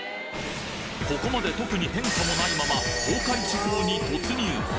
ここまで特に変化もないまま東海地方に突入